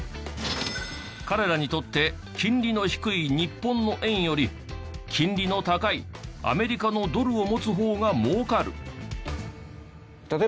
彼らにとって金利の低い日本の円より金利の高いアメリカのドルを持つ方が儲かる。